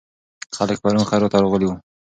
خلک پرون خیرات ته راغلي وو.